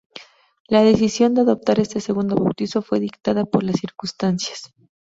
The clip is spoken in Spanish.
La decisión de adoptar este segundo bautizo fue dictada por las circunstancias.